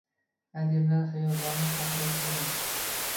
Adiblar xiyoboni haqida film